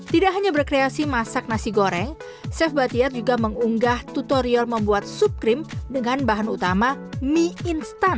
tidak hanya berkreasi masak nasi goreng chef batiar juga mengunggah tutorial membuat sup krim dengan bahan utama mie instan